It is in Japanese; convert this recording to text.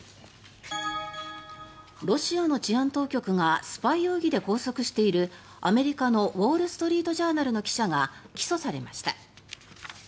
ロシアの治安当局がスパイ容疑で拘束しているアメリカのウォール・ストリート・ジャーナルの記者が起訴されました。